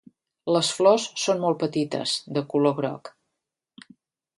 Les flors són molt petites, de color groc.